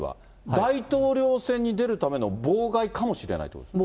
大統領選に出るための妨害かもしれないということですね。